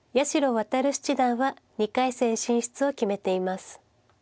弥七段は２回戦進出を決めています。